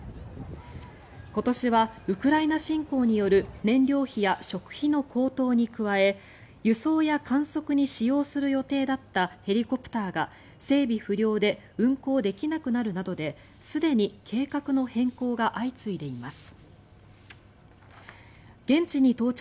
今年はウクライナ侵攻による燃料費や食費の高騰に加え輸送や観測に使用する予定だったヘリコプターが整備不良で運行できなくなるなどですでに計画の変更が相次いでいます。